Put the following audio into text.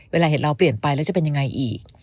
เวลาเห็นเราเปลี่ยนไปแล้วจะเป็นยังไงอีก